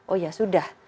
oh ya sudah